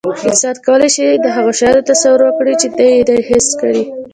انسان کولی شي، د هغو شیانو تصور وکړي، چې نه یې دي حس کړي.